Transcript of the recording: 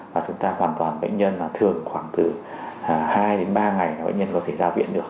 và chúng ta hoàn toàn bệnh nhân là thường khoảng từ hai đến ba ngày mà bệnh nhân có thể ra viện được